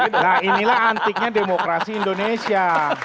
nah inilah antiknya demokrasi indonesia